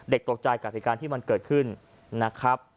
เด็กตกใจกับพิการที่มันเกิดขึ้นนะครับ